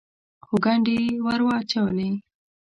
خو ګنډې یې ور اچولې.